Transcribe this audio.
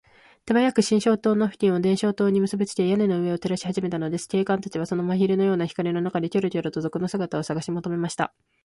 手早く探照燈を付近の電燈線にむすびつけ、屋根の上を照らしはじめたのです。警官たちは、その真昼のような光の中で、キョロキョロと賊の姿をさがしもとめました。